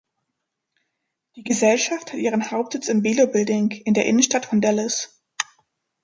Die Gesellschaft hat ihren Hauptsitz im Belo Building in der Innenstadt von Dallas.